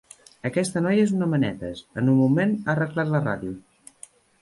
Aquesta noia és una manetes: en un moment ha arreglat la ràdio.